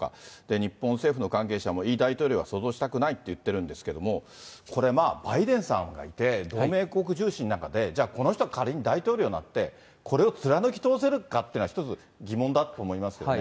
日本政府の関係者もイ大統領は想像したくないと言ってるんですけれども、これ、バイデンさんがいて同盟国重視の中で、じゃあこの人が仮に大統領になって、これを貫き通せるかっていうのは一つ疑問だと思いますけどね。